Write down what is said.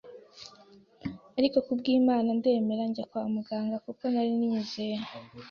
ariko ku bw’Imana ndemera njya kwa muganga kuko nari nyizeye